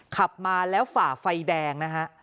ขับมาแล้วฝ่าไฟแดงนะฮะ